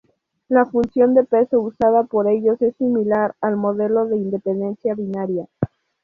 La función de peso usada por ellos es similar al modelo de independencia binaria.